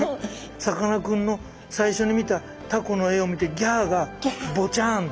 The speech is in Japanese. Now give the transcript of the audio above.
さかなクンの最初に見たタコの絵を見て「ぎゃっ」が「ぼちゃん」で。